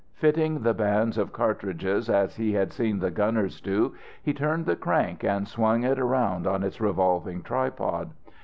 Fitting the bands of cartridges as he had seen the gunners do, he turned the crank and swung it round on its revolving tripod.